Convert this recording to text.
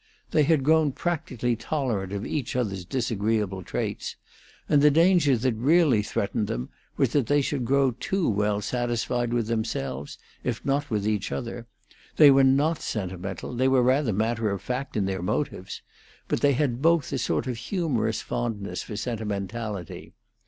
They had grown practically tolerant of each other's disagreeable traits; and the danger that really threatened them was that they should grow too well satisfied with themselves, if not with each other. They were not sentimental, they were rather matter of fact in their motives; but they had both a sort of humorous fondness for sentimentality.